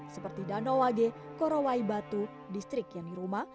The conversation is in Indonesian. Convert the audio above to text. seperti danau wage korowai batu distrik yani rumah